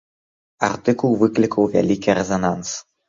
Артыкул выклікаў вялікі рэзананс.